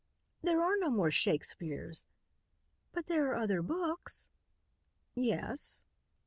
"There are no more Shakespeares." "But there are other books." "Yes."